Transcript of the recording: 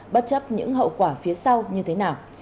bất chấp những hậu quả phía sau như thế nào